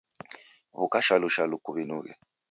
W'uka shalu shalu kuw'inughe.